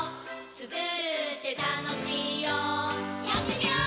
つくるってたのしいよやってみよー！